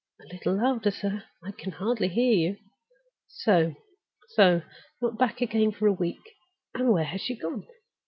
A little louder, sir; I can hardly hear you. So! so! Not back again for a week! And where has she gone?